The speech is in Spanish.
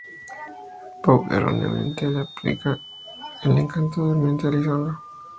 Puck erróneamente le aplica el encanto al durmiente Lisandro.